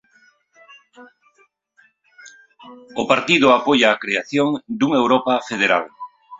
O partido apoia a creación dunha Europa federal.